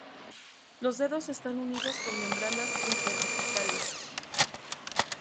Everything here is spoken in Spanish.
Los dedos están unidos por membranas interdigitales.